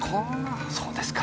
そうですか。